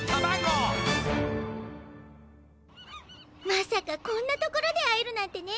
まさかこんなところで会えるなんてね。